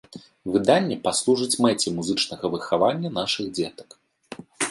Выданне паслужыць мэце музычнага выхавання нашых дзетак.